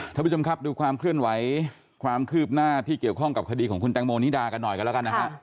ท่านผู้ชมครับดูความเคลื่อนไหวความคืบหน้าที่เกี่ยวข้องกับคดีของคุณแตงโมนิดากันหน่อยกันแล้วกันนะฮะ